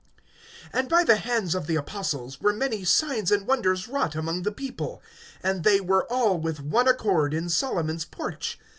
(12)And by the hands of the apostles were many signs and wonders wrought among the people; and they were all with one accord in Solomon's porch.